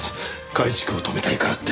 改築を止めたいからって。